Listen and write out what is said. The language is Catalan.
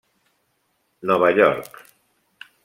Nova York.